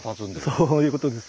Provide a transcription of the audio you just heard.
そういうことです。